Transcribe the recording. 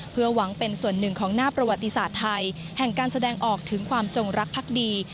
เพื่อหวังเป็นส่วนหนึ่งของหน้าประวัติศาสตร์ไทยแห่งการแสดงออกถึงความจงรักพักดี